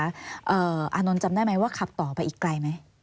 อานนท์จำได้ไหมว่าขับต่อไปอีกไกลไหม